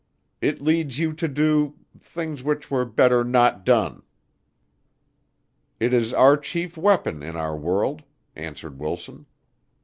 It leads you to do things which were better not done." "It is our chief weapon in our world," answered Wilson.